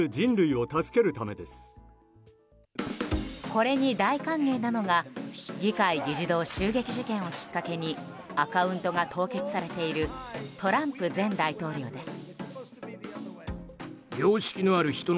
これに大歓迎なのが議会議事堂襲撃事件をきっかけにアカウントが凍結されているトランプ前大統領です。